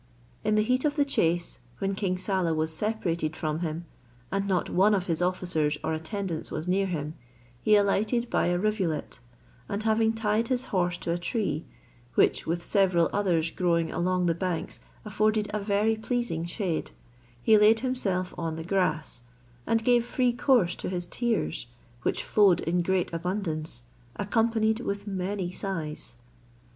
In the heat of the chase, when King Saleh was separated from him, and not one of his officers or attendants was near him, he alighted by a rivulet; and having tied his horse to a tree, which, with several others growing along the banks, afforded a very pleasing shade, he laid himself on the grass, and gave free course to his tears, which flowed in great abundance, accompanied with many sighs.